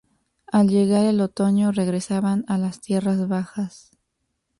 Al llegar el otoño, regresaban a las tierras bajas.